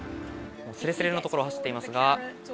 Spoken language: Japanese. すれすれの所を走っていますが。